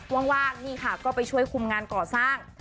ว่างนี่ค่ะก็ไปช่วยคุมงานก่อสร้าง